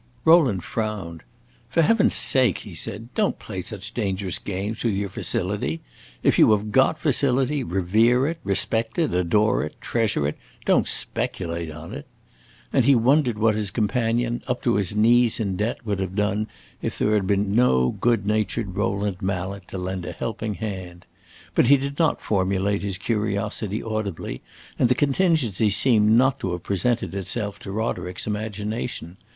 Rowland frowned. "For heaven's sake," he said, "don't play such dangerous games with your facility. If you have got facility, revere it, respect it, adore it, treasure it don't speculate on it." And he wondered what his companion, up to his knees in debt, would have done if there had been no good natured Rowland Mallet to lend a helping hand. But he did not formulate his curiosity audibly, and the contingency seemed not to have presented itself to Roderick's imagination.